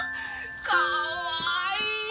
かわいい！